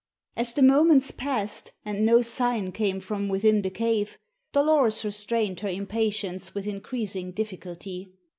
As the moments passed, and no sign came from within the cave, Dolores restrained her impatience with increasing difficulty.